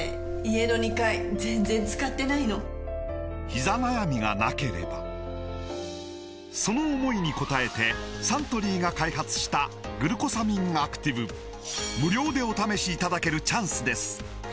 “ひざ悩み”がなければその思いに応えてサントリーが開発した「グルコサミンアクティブ」無料でお試しいただけるチャンスです